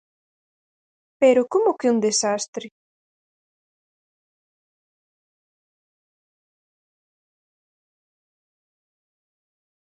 ¿Pero como que un desastre?